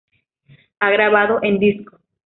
Ha grabado en disco.